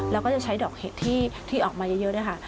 แล้วก็จะใช้ดอกเห็ดที่ออกมาเยอะด้วยค่ะ